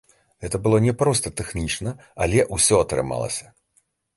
Гэта было няпроста тэхнічна, але ўсё атрымалася.